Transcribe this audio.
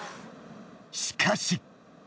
しかし。